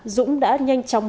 dũng đã nhanh chóng